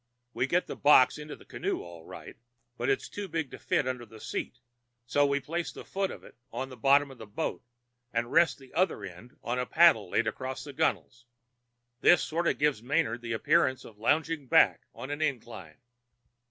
We get the box into the canoe all right, but it's too big to fit under the seat, so we place the foot of it on the bottom of the boat and rest the other end on a paddle laid across the gunnels. This sort of gives Manard the appearance of lounging back on an incline.